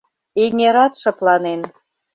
Эҥерат шыпланен.